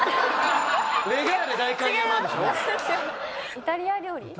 イタリア料理。